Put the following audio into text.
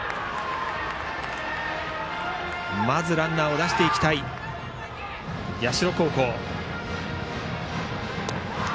まずランナーを出していきたい社高校。